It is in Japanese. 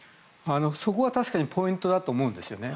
そこって確かにポイントだと思うんですね。